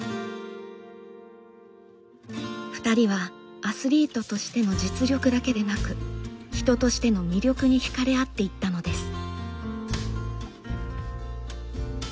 ２人はアスリートとしての実力だけでなく人としての魅力に引かれ合っていったのです。